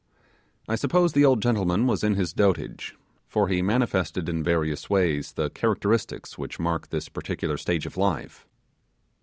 I suppose the old gentleman was in his dotage, for he manifested in various ways the characteristics which mark this particular stage of life.